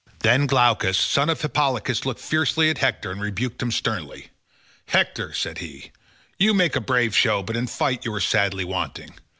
Then Glaucus son of Hippolochus looked fiercely at Hector and rebuked him sternly. "Hector," said he, "you make a brave show, but in fight you are sadly wanting.